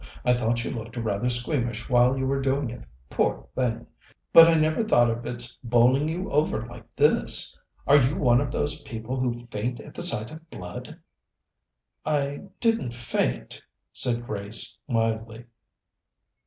I thought you looked rather squeamish while you were doing it, poor thing! but I never thought of its bowling you over like this. Are you one of those people who faint at the sight of blood?" "I didn't faint," said Grace mildly.